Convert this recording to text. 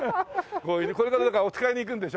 これからなんかお使いに行くんでしょ？